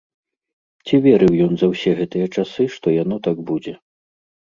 Ці верыў ён за ўсе гэтыя часы, што яно так будзе?